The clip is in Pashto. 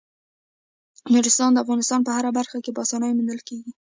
نورستان د افغانستان په هره برخه کې په اسانۍ موندل کېږي.